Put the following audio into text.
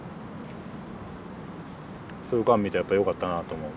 そういうオカン見てやっぱよかったなと思う？